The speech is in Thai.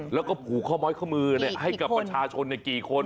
แล้วก็ผูกข้อม้อยข้อมือให้กับประชาชนกี่คน